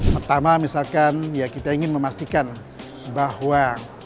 pertama misalkan ya kita ingin memastikan bahwa